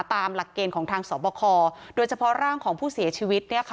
ตามหลักเกณฑ์ของทางสอบคอโดยเฉพาะร่างของผู้เสียชีวิต